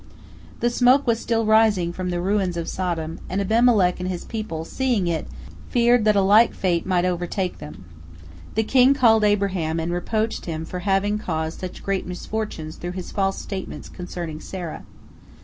The smoke was still rising from the ruins of Sodom, and Abimelech and his people, seeing it, feared that a like fate might overtake them. The king called Abraham and reproached him for having caused such great misfortune through his false statements concerning Sarah.